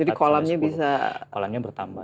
jadi kolamnya bisa bertambah